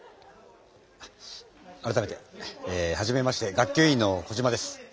改めてえはじめまして学級委員のコジマです。